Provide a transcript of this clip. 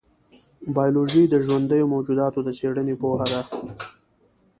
بایولوژي د ژوندیو موجوداتو د څېړنې پوهه ده.